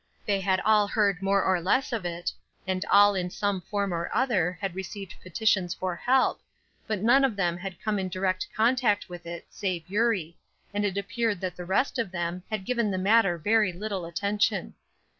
They had all heard more or less of it, and all in some form or other had received petitions for help, but none of them had come in direct contact with it, save Eurie, and it appeared that the rest of them had given the matter very little attention.